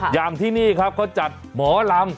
อย่างที่นี่ครับเขาจัดหมอลำ